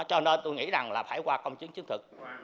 cho nên tôi nghĩ rằng là phải qua công chứng chứng thực